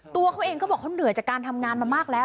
ตัวเขาเองเขาบอกเขาเหนื่อยจากการทำงานมามากแล้ว